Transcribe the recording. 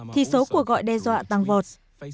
thelmama cũng đã gọi đe dọa tăng vọt